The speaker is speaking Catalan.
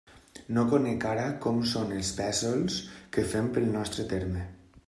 No conec ara com són els pésols que fem pel nostre terme.